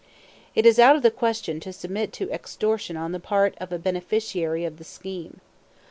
It is out of the question to submit to extortion on the part of a beneficiary of the scheme.